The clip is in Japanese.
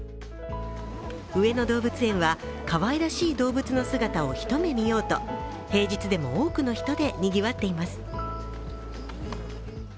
上野動物園はかわいらしい動物の姿を一目見ようと、平日でも多くの人でにぎわっています。